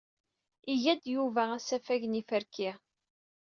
Iga-d Yuba asafag n yiferki.